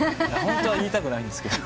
ホントは言いたくないんですが。